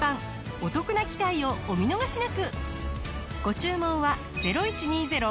お得な機会をお見逃しなく！